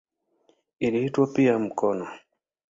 Iliitwa pia "mkono".